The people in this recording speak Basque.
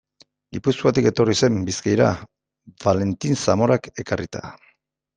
Gipuzkoatik etorri zen Bizkaira, Valentin Zamorak ekarrita.